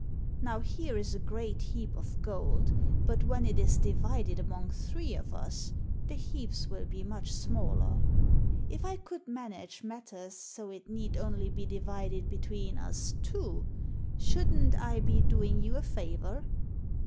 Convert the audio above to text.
Now here is a great heap of gold, but when it is divided among three of us, the heaps will be much smaller. If I could manage matters so it need only be divided between us two, should n't I be doing you a favor ?